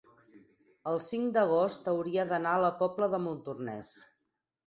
el cinc d'agost hauria d'anar a la Pobla de Montornès.